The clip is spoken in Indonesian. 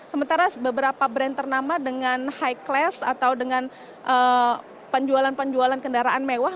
sementara beberapa brand ternama dengan high class atau dengan penjualan penjualan kendaraan mewah